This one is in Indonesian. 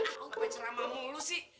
aku pacaran sama elu sih